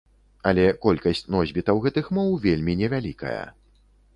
Але колькасць носьбітаў гэтых моў вельмі невялікая.